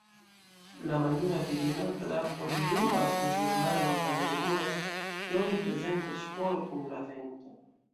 La maljuna virino trafoliumas ĵurnalojn kaj murmuras, ke oni prezentos For kun la vento.